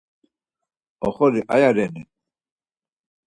Oxori aya reni?